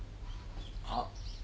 あっ。